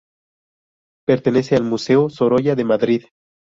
Pertenece al Museo Sorolla de Madrid.